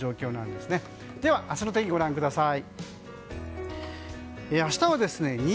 では、明日の天気ご覧ください。